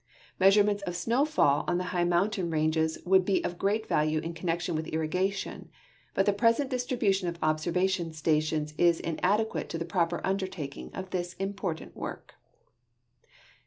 Measurements of snoAvfall on the higli mountain ranges Avould be of great value in connection Avith irrigation, but the ))resent (listril)Ution of observation stations is inadetpiate to the proper uiulertaking of this imj)ortant work.